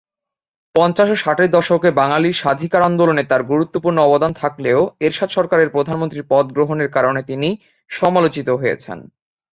পঞ্চাশ ও ষাটের দশকে বাঙালি স্বাধিকার আন্দোলনে তার গুরুত্বপূর্ণ অবদান থাকলেও এরশাদ সরকারের প্রধানমন্ত্রীর পদ গ্রহণের কারণে তিনি সমালোচিত হয়েছিলেন।